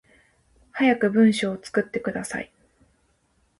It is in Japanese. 早く文章作ってください